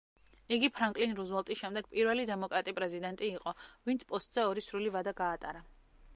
იგი ფრანკლინ რუზველტის შემდეგ პირველი დემოკრატი პრეზიდენტი იყო, ვინც პოსტზე ორი სრული ვადა გაატარა.